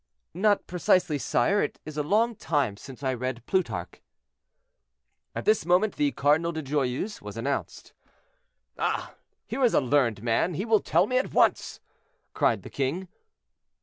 "Not precisely, sire; it is a long time since I read Plutarch." At this moment, the Cardinal de Joyeuse was announced. "Ah! here is a learned man, he will tell me at once!" cried the king.